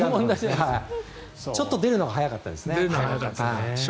ちょっと出るのが速かったですね。